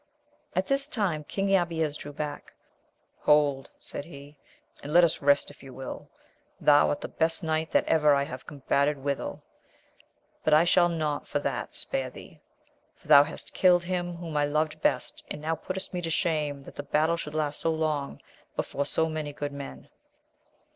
At this time King Abies drew back. Hold ! said he, and let us rest if you will : thou art the best knight that ever I combated withal — but I shall not for that spare thee, for thou hast killed him whom I loved best, and now puttest me to shame that the battle should last so long, before so many good men.